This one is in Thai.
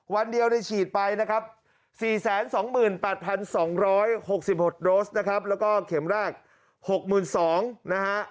วันเดียวในฉีดไปนะครับ๔๒๘๒๖๖โดสนะครับแล้วก็เข็มแรก๖๒๐๐นะฮะ